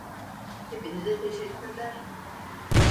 Hepinize teşekkürler.